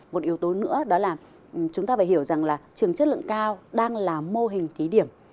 một yếu tố nữa đó là chúng ta phải hiểu rằng là trường chất lượng cao đang là mô hình thí điểm